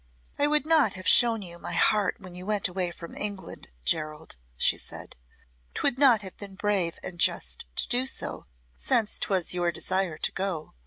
"I would not have shown you my heart when you went away from England, Gerald," she said. "'Twould not have been brave and just to do so since 'twas your desire to go.